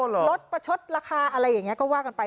ลดประชดราคาอะไรอย่างนี้ก็ว่ากันไป